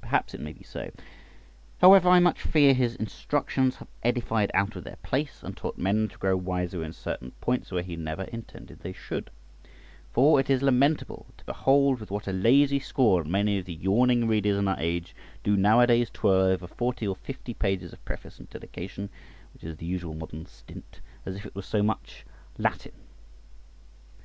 Perhaps it may be so. However, I much fear his instructions have edified out of their place, and taught men to grow wiser in certain points where he never intended they should; for it is lamentable to behold with what a lazy scorn many of the yawning readers in our age do now a days twirl over forty or fifty pages of preface and dedication (which is the usual modern stint), as if it were so much Latin.